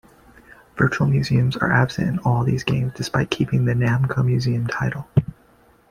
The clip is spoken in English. Virtual museums are absent in all these games despite keeping the "Namco Museum" title.